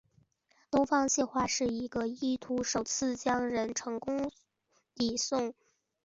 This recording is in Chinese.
东方计划是一个意图首次将人成功地送入地心轨道的苏联载人航天计划。